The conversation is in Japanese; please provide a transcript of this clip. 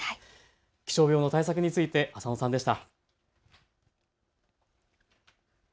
気象病の対策について浅野さんでした。